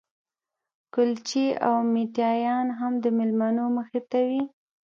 کلچې او میټایانې هم د مېلمنو مخې ته وې.